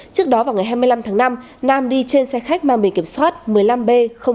trước đó vào ngày hai mươi năm tháng năm nam đi trên xe khách mang bình kiểm soát một mươi năm b tám trăm tám mươi một